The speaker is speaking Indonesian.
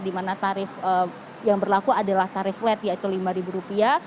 di mana tarif yang berlaku adalah tarif lat yaitu rp lima